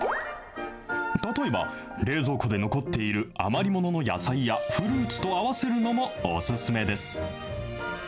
例えば、冷蔵庫で残っている余り物の野菜やフルーツと合わせるのもお勧めです。